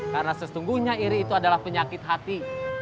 karena sesungguhnya iri itu adalah penyakit hati